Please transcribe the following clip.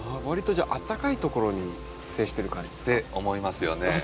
わりとあったかいところに自生してる感じですか？って思いますよね。